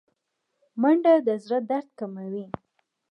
منډه د زړه درد کموي